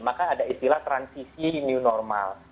maka ada istilah transisi new normal